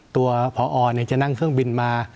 ตัวพอจะนั่งเครื่องบินมา